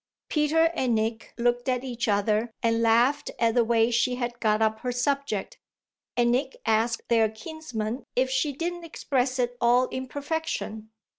Peter and Nick looked at each other and laughed at the way she had got up her subject, and Nick asked their kinsman if she didn't express it all in perfection.